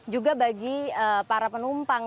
juga bagi para penumpang